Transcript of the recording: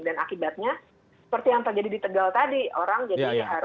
dan akibatnya seperti yang terjadi di tegal tadi orang jadi harus